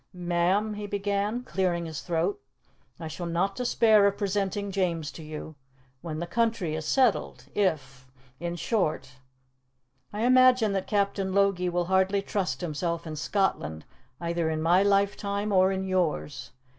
"Ma'am," he began, clearing his throat, "I shall not despair of presenting James to you. When the country is settled if in short " "I imagine that Captain Logie will hardly trust himself in Scotland either in my lifetime or in yours.